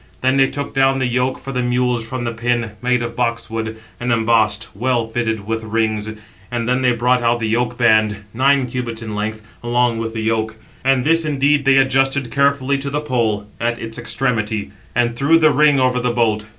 They then took down the yoke for the mules from the pin, made of box wood, and embossed, well fitted with rings, and then they brought out the yoke band, nine cubits in length, along with the yoke. And this indeed they adjusted carefully to the pole at its extremity, and threw the ring over the bolt.